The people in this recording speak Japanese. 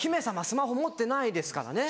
スマホ持ってないですからね。